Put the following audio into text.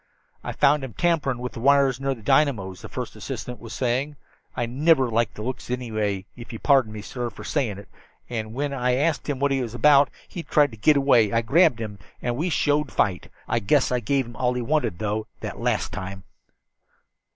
"I found him tamperin' with the wires near the dynamos," the first assistant engineer was saying. "I niver liked his looks annyway, if ye'll pardon me, sir, fer sayin' it. And whin I asked him what he was about, he thried to git away. I grabbed him, and he showed fight. I guess I give 'im all he wanted, though, that last time."